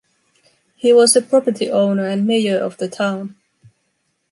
He was a property owner and mayor of the town.